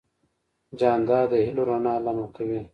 جانداد د هېلو رڼا لمع کوي.